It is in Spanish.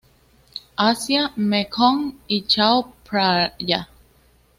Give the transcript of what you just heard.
Asia: Mekong y Chao Phraya.